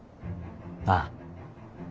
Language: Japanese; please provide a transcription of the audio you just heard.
ああ。